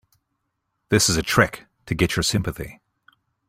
This is a trick to get your sympathy.